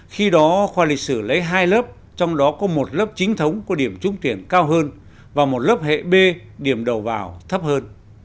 khi đó khoa lịch sử lấy hai lớp trong đó có một lớp chính thống có điểm trúng tuyển cao hơn và một lớp hệ b điểm đầu vào thấp hơn